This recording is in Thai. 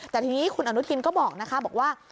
แต่ทีนี้คุณอนุทินก็บอกนะคะบอกว่า